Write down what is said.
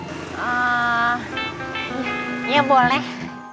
enggak ya boleh